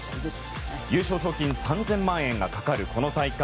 優勝賞金３０００万円がかかるこの大会。